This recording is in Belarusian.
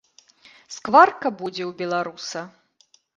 Скварка будзе ў беларуса.